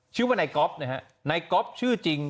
ชื่อว่านายก๊อฟนะฮะนายก๊อฟชื่อจริง